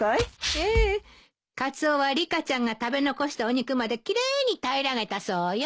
カツオはリカちゃんが食べ残したお肉まで奇麗に平らげたそうよ。